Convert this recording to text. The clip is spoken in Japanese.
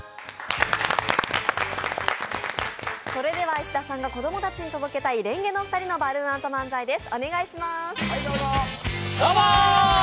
石田さんが子供たちに届けたい蓮華のお二人のバルーンアート漫才です。